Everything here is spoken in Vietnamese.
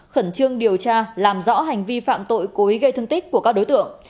khẩn trương điều tra làm rõ hành vi phạm tội cố ý gây thương tích của các đối tượng